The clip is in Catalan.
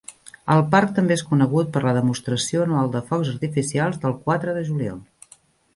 El parc també és conegut per la demostració anual de focs artificials del quatre de juliol.